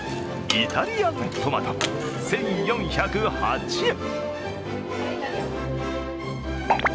イタリアントマト１４０８円。